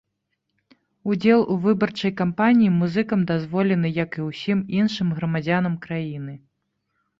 Удзел у выбарчай кампаніі музыкам дазволены як і ўсім іншым грамадзянам краіны.